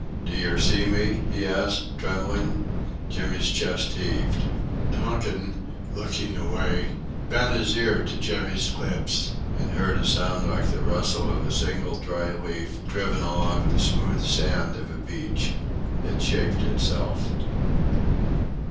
"D'yer see me?" he asked, trembling. Jimmy's chest heaved. Donkin, looking away, bent his ear to Jimmy's lips, and heard a sound like the rustle of a single dry leaf driven along the smooth sand of a beach. It shaped itself.